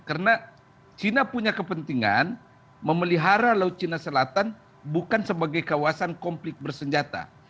karena china punya kepentingan memelihara laut china selatan bukan sebagai kawasan konflik bersenjata